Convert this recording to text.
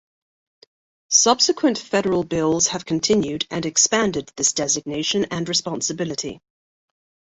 Subsequent federal bills have continued and expanded this designation and responsibility.